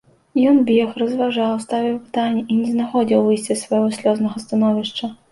Ён бег, разважаў, ставіў пытанні і не знаходзіў выйсця з свайго слёзнага становішча.